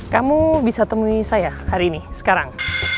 kamu bisa temui saya hari ini sekarang